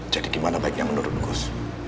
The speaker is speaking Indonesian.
jadi gimana baik yang menurut gus